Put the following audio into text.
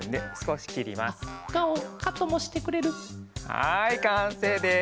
はいかんせいです！